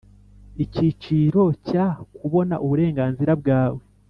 Icyiciro cya Kubona uburenganzira bwawe